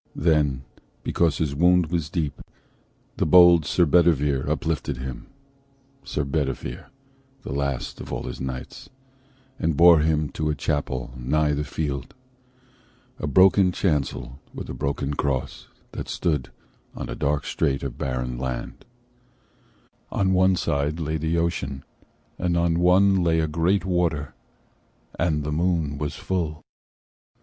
Then, because his wound was deep, The bold Sir Bedivere uplifted him, And bore him to a chapel nigh the field, A broken chancel with a broken cross, That stood on a dark strait of barren land: On one side lay the Ocean, and on one Lay a great water, and the moon was full.